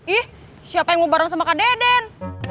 ih siapa yang mau bareng sama kak deden